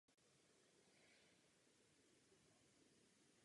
Musíme proto přivítat každý pokus o zjednodušení dosažení tohoto cíle.